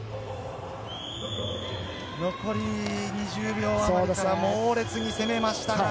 残り２０秒あたりから猛烈に攻めました。